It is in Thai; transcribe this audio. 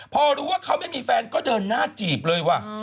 พอรู้ว่าเขาไม่มีแฟนก็เดินหน้าจีบเลยว่ะ